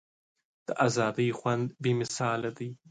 د ازادۍ خوند بې مثاله دی.